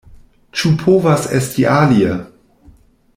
Ĉu povas esti alie?